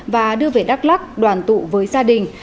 và đưa về đắk lắc đoàn tụ với gia đình